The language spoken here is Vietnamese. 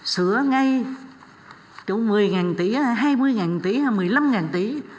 sửa ngay chỗ một mươi tỷ hai mươi tỷ hay một mươi năm tỷ